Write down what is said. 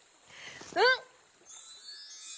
うん！